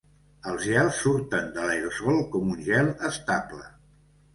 Els gels surten de l'aerosol com un gel estable.